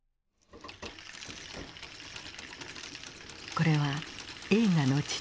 これは映画の父